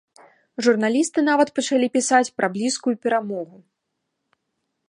Журналісты нават пачалі пісаць пра блізкую перамогу.